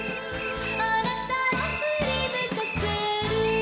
「あなたをふりむかせる」